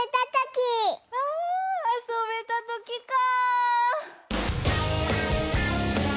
ああそべたときか！